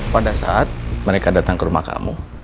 pada saat mereka datang ke rumah kamu